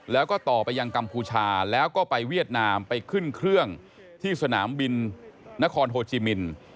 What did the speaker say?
แล้วก็ต่อไปยังกัมพูชาแล้วก็ไปเวียดนามไปขึ้นเครื่องที่สนามบินนครโฮจิมิน